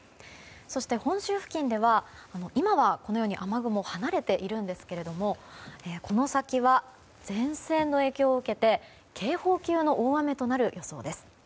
そして、本州付近では今、雨雲は離れているんですがこの先は、前線の影響を受けて警報級の大雨となる予想です。